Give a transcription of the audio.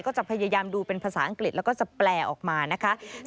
ก็จะพยายามดูเป็นภาษาอังกฤษแล้วก็จะแปลออกมานะคะ